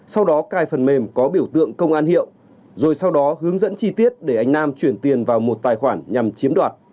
sau đó cài phần mềm có biểu tượng công an hiệu rồi sau đó hướng dẫn chi tiết để anh nam chuyển tiền vào một tài khoản nhằm chiếm đoạt